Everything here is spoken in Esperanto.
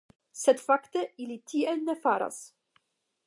Sed fakte ili tiel ne faras.